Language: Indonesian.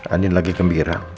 andin lagi gembira